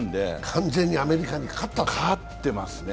完全にアメリカに勝ってますね。